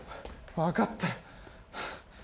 分かった。